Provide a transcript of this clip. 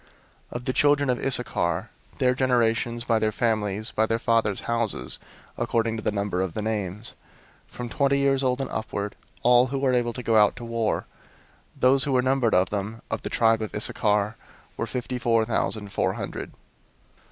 001:028 Of the children of Issachar, their generations, by their families, by their fathers' houses, according to the number of the names, from twenty years old and upward, all who were able to go out to war; 001:029 those who were numbered of them, of the tribe of Issachar, were fifty four thousand four hundred.